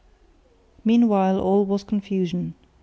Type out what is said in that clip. Meanwhile all was confusion.